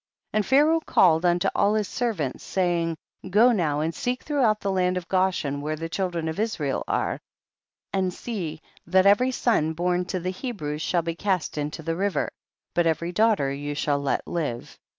52. And Pharaoh called unto all his servants, saying, go now and seek throughout the land of Goshen where the children of Israel are, and see that every son born to the Hebrews shall be cast into the river, but every daughter you shall let live.